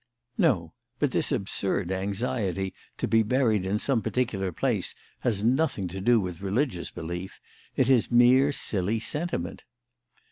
"No; but this absurd anxiety to be buried in some particular place has nothing to do with religious belief; it is mere silly sentiment."